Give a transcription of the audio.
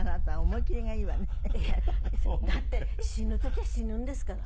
いやだって死ぬ時は死ぬんですから。